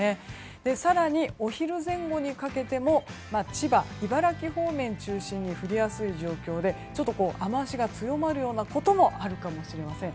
更に、お昼前後にかけても千葉、茨城方面を中心に降りやすい状況でちょっと雨脚が強まるようなこともあるかもしれません。